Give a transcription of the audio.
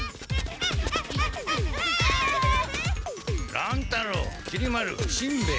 乱太郎きり丸しんべヱ。